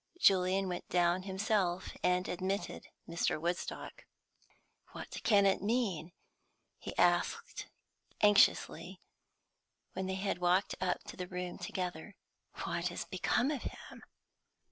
Julian went down himself, and admitted Mr. Woodstock. "What can it mean?" he asked anxiously, when they had walked up to the room together. "What has become of him?"